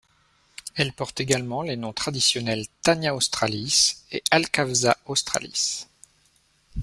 Elle porte également les noms traditionnels Tania Australis et Alkafzah Australis.